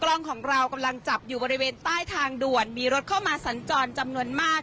กล้องของเรากำลังจับอยู่บริเวณใต้ทางด่วนมีรถเข้ามาสัญจรจำนวนมาก